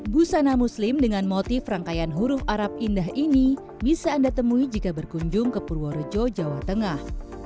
busana muslim dengan motif rangkaian huruf arab indah ini bisa anda temui jika berkunjung ke purworejo jawa tengah